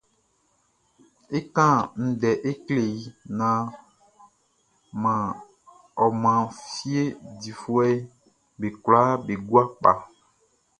É kán ndɛ é klé i naan ɔ man fie difuɛʼm be kwlaa be gua kpa.